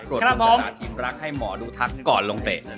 ดวงชะตาทีมรักให้หมอดูทักก่อนลงเตะ